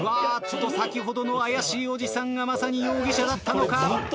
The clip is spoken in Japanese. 先ほどの怪しいおじさんがまさに容疑者だったのか。